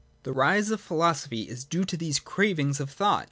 ] The rise of philosophy is due to these cravings of thought.